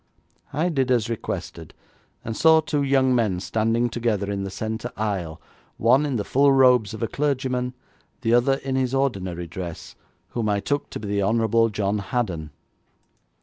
I did as requested, and saw two young men standing together in the centre aisle, one in the full robes of a clergyman, the other in his ordinary dress, whom I took to be the Honourable John Haddon.